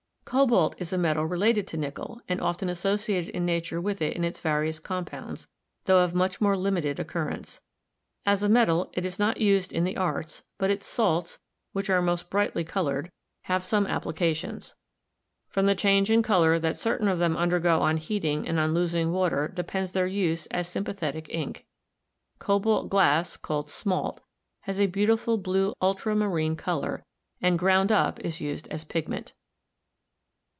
Cobalt is a metal related to nickel and often associated in nature with it in its various compounds, tho of much more limited occurrence. As a metal it is not used in the arts, but its salts, which are most brightly colored, have DESCRIPTIVE MINERALOGY 269 some applications. From the change in color that certain of them undergo on heating and on losing water depends their use as sympathetic ink. Cobalt glass, called smalt, has a beautiful blue ultramarine color, and ground up is used as a pigment.